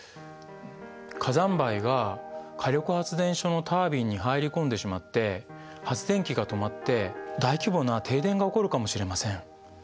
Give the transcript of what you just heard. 火山灰が火力発電所のタービンに入り込んでしまって発電機が止まって大規模な停電が起こるかもしれません。